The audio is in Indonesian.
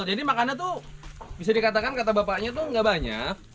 jadi makannya tuh bisa dikatakan kata bapaknya tuh nggak banyak